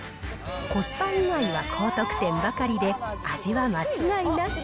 コスパ以外は高得点ばかりで、味は間違いなし。